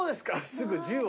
すぐ銃を。